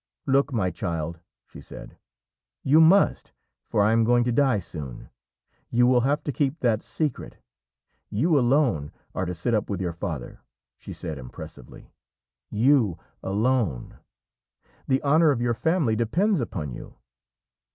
'Look, my child,' she said; 'you must for I am going to die soon. You will have to keep that secret. You alone are to sit up with your father,' she said impressively 'you alone. The honour of your family depends upon you!'